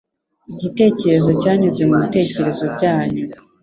Igitekerezo cyanyuze mubitekerezo byanjye.